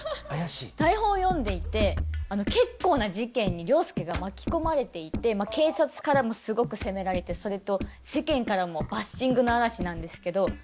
台本を読んでいて結構な事件に凌介が巻き込まれていて警察からもすごく責められてそれと世間からもバッシングの嵐なんですけど。